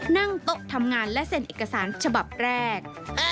นั่งโต๊ะทำงานและเซ็นเอกสารฉบับแรก